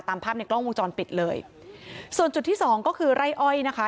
ตามภาพในกล้องวงจรปิดเลยส่วนจุดที่สองก็คือไร่อ้อยนะคะ